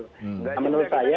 menurut saya menurut saya